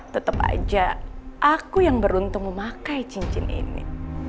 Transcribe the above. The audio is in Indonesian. tetap aja aku yang beruntung memakai cincin ini